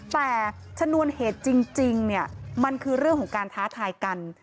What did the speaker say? แต่ชนวนเหตุจริงเนี่ยมันคือเรื่องของการท้าทายกัน